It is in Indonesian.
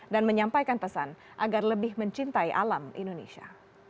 dan menyampaikan pesan agar lebih mencintai alam indonesia